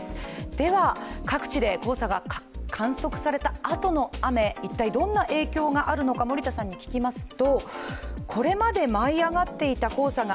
では、各地で黄砂が観測されたあとの雨、一体どんな影響があるのか森田さんに聞きました。